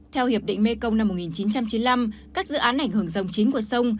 theo hiệp định mekong năm một nghìn chín trăm chín mươi năm các dự án ảnh hưởng dòng chính của sông